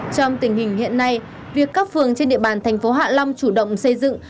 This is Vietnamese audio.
trong tình hình hiện nay việc các phường trên địa bàn thành phố hạ long chủ động xây dựng